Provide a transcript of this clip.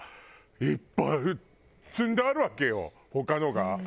いっぱい積んであるわけよ他のが。